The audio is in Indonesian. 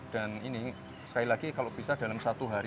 dan ini sekali lagi kalau bisa dalam satu hari